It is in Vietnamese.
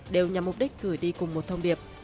đều nhằm mục đích gửi đi cùng một thông điệp